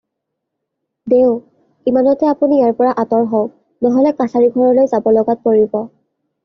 দেউ! ইমানতে আপুনি ইয়াৰ পৰা আঁতৰ হওক, নহ'লে কাছাৰী ঘৰলৈ যাব লগাত পৰিব।